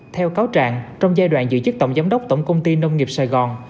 theo cáo trạng trong giai đoạn giữ chức tổng giám đốc tổng công ty nông nghiệp sài gòn